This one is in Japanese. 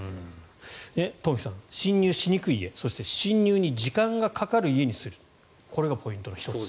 東輝さん、侵入しにくい家侵入に時間がかかる家にするこれがポイントの１つと。